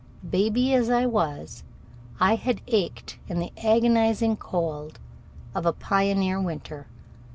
Baby as I was, I had ached in the agonizing cold of a pioneer winter.